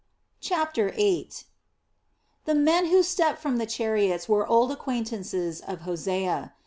CHAPTER VIII. The men who stepped from the chariots were old acquaintances of Hosea.